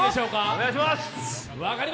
お願いします！